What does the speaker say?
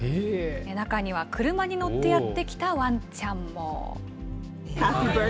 中には車に乗ってやって来たワンちゃんも。